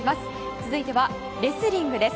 続いてはレスリングです。